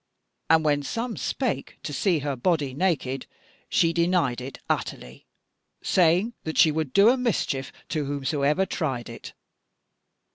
And when some spake to see her body naked, she denied it utterly, saying that she would do a mischief to whomsoever tried it.